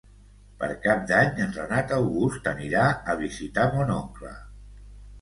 Per Cap d'Any en Renat August anirà a visitar mon oncle.